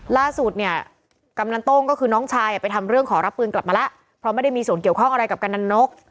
ล่าสุดเนี่ยกำนันโต้งก็คือน้องชายไปทำเรื่องขอรับปืนกลับมาแล้วเพราะไม่ได้มีส่วนเกี่ยวข้องอะไรกับกำนันนก